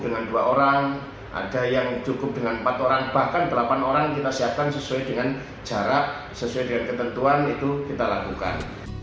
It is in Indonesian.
setiap hari petugas yang menikmati liburan tetapi cap asal diri sebagai petugas ter astronautis